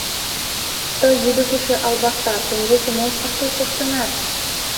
— Тый, йӱдыгышӧ албаста, теҥгече мом ыштыл коштынат?